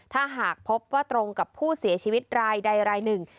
ถ้าหากพบว่าตรงกับผู้เสียชีวิตรายใดรายหนึ่ง